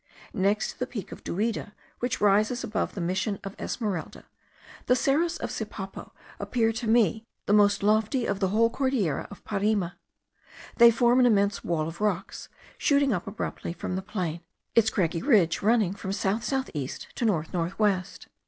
Next to the Peak of Duida, which rises above the mission of Esmeralda, the Cerros of Sipapo appeared to me the most lofty of the whole Cordillera of Parima. They form an immense wall of rocks, shooting up abruptly from the plain, its craggy ridge of running from south south east to north north west.